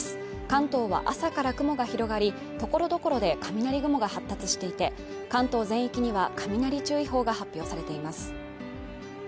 関東は朝から雲が広がり所々で雷雲が発達していて関東全域には雷注意報が発表されています